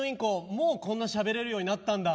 もうこんなしゃべれるようになったんだ。